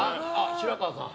白河さん。